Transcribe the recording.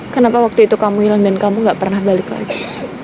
kenapa waktu itu kamu hilang dan kamu gak pernah balik lagi